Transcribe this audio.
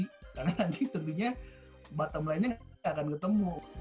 karena nanti tentunya bottom line nya nggak akan ketemu